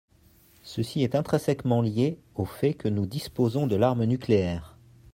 Ceci est intrinsèquement lié au fait que nous disposons de l’arme nucléaire.